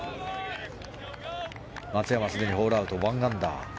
松山はすでにホールアウト１アンダー。